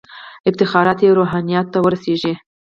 افتخارات یې روحانیونو ته ورسیږي.